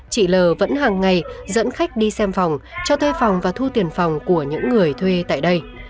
chị l vẫn hàng ngày dẫn khách đi xem phòng cho thuê phòng và thu tiền phòng của những người thuê tại đây